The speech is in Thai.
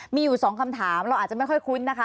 มีอยู่สองคำถามเราอาจจะไม่ค่อยคุ้นนะคะ